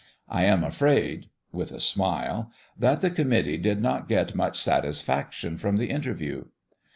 I am afraid" with a smile "that the committee did not get much satisfaction from the interview."